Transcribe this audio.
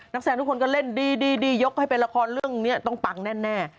แฟนทุกคนก็เล่นดียกให้เป็นละครเรื่องนี้ต้องปังแน่